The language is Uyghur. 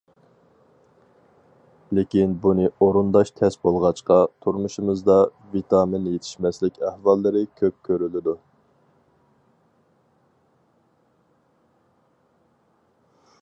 لېكىن بۇنى ئورۇنداش تەس بولغاچقا، تۇرمۇشىمىزدا ۋىتامىن يېتىشمەسلىك ئەھۋاللىرى كۆپ كۆرۈلىدۇ.